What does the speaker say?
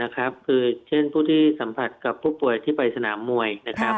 คือเช่นผู้ที่สัมผัสกับผู้ป่วยที่ไปสนามมวยนะครับ